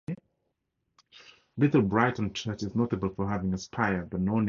Little Brington church is notable for having a spire but no nave.